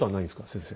先生。